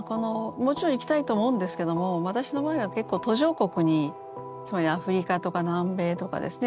もちろん行きたいと思うんですけども私の場合は結構途上国につまりアフリカとか南米とかですね